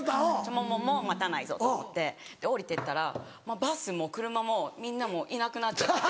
もう待たないぞと思ってで下りてったらバスも車もみんなもいなくなっちゃってて。